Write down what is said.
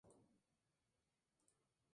FredericK Jr.